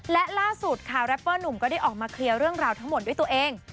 และล่าสุดค่ะแรปเปอร์หนุ่มก็ได้ออกมาเคลียร์เรื่องราวทั้งหมดด้วยตัวเอง